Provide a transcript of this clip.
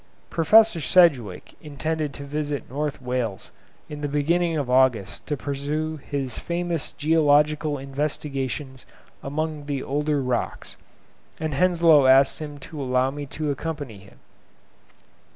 Professor Sedgwick intended to visit North Wales in the beginning of August to pursue his famous geological investigations amongst the older rocks, and Henslow asked him to allow me to accompany him.